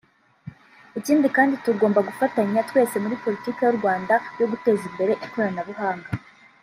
ikindi kandi tugomba gufatanya twese muri politiki y’u Rwanda yo guteza imbere ikoranabuhanga